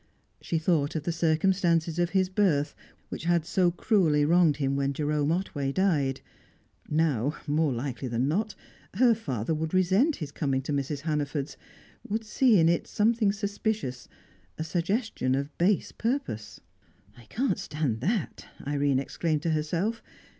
She thought of the circumstances of his birth, which had so cruelly wronged him when Jerome Otway died. Now, more likely than not, her father would resent his coming to Mrs. Hannaford's, would see in it something suspicious, a suggestion of base purpose. "I can't stand that!" Irene exclaimed to herself.